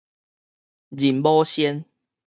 認某仙